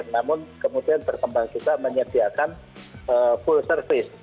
namun kemudian berkembang juga menyediakan full service